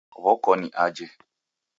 W'okoni aje